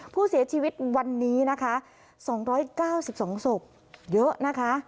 ผู้เสียชีวิตวันนี้นะคะ๒๙๒ศพเยอะนะคะ